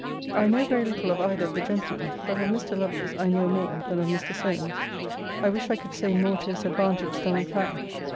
I know very little of either of the gentlemen: but of Mr. Lovelace I know more than of Mr. Solmes. I wish I could say more to his advantage than I can.